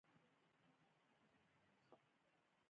مخزن افغاني د نعمت الله کتاب دﺉ.